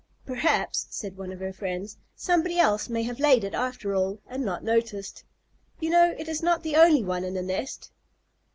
"Perhaps," said one of her friends, "somebody else may have laid it after all, and not noticed. You know it is not the only one in the nest."